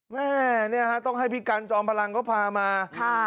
แม่เนี่ยฮะต้องให้พี่กันจอมพลังเขาพามา